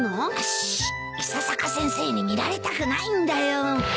伊佐坂先生に見られたくないんだよ。